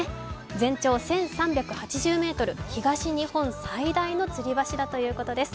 全長１３８０ｍ、東日本最大のつり橋だということです。